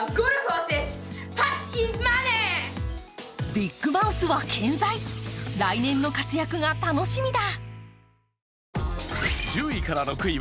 ビッグマウスは健在、来年の活躍が楽しみだ。